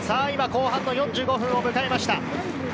今、後半の４５分を迎えました。